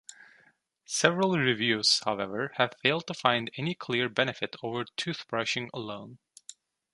Several reviews, however, have failed to find any clear benefit over toothbrushing alone.